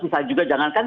misalnya juga jangankan